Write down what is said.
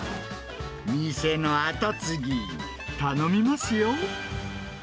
店の後継ぎ、頼みますよ。